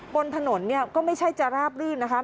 บนถนนก็ไม่ใช่จะราบลื่นนะคะ